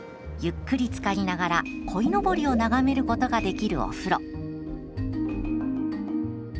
ゆっくりつかりながらこいのぼりを眺めることができるお風呂。